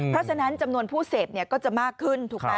เพราะฉะนั้นจำนวนผู้เสพก็จะมากขึ้นถูกไหม